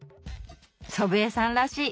祖父江さんらしい！